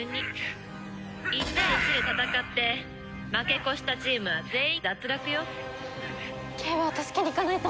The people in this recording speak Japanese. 「１対１で戦って負け越したチームは全員脱落よ」景和を助けに行かないと。